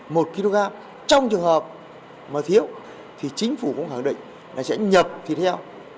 một kg trong trường hợp mà thiếu thì chính phủ cũng khẳng định là sẽ nhập thịt heo